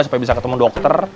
supaya bisa ketemu dokter